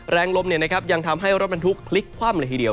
แรงลมยังทำให้รถบรรทุกพลิกคว่ำเลยทีเดียว